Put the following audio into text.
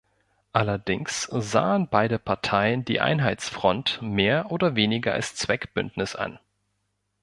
Allerdings sahen beide Parteien die Einheitsfront mehr oder weniger als Zweckbündnis an.